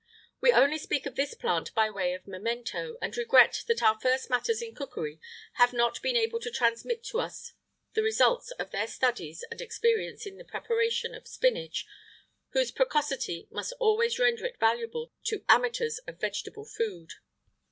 [IX 37] We only speak of this plant by way of memento, and regret that our first masters in cookery have not been able to transmit to us the results of their studies and experience in the preparation of spinach, whose precocity must always render it valuable to amateurs of vegetable food.